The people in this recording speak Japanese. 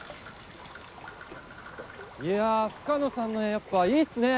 ・いや深野さんの画やっぱいいっすね。